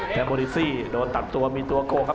ทัมปูลิสชี่โดนตัดตัวมีตัวก้วครับ